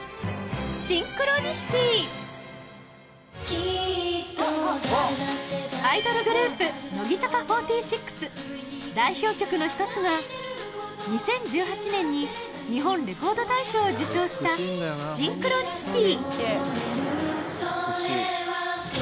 きっとアイドルグループ代表曲の１つが２０１８年に日本レコード大賞を受賞した『シンクロニシティ』